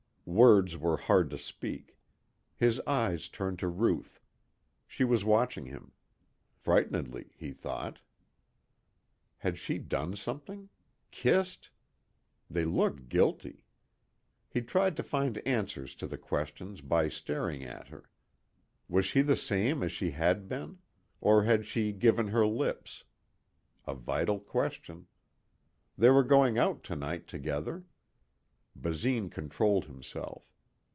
Words were hard to speak. His eyes turned to Ruth. She was watching him. Frightenedly, he thought. Had she done something? Kissed? They looked guilty. He tried to find answers to the questions by staring at her. Was she the same as she had been? Or had she given her lips? A vital question. They were going out tonight together. Basine controlled himself.